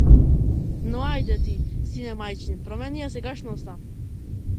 Но ајде ти, сине мајчин, промени ја сегашноста!